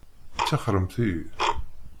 Tixxṛemt-iyi!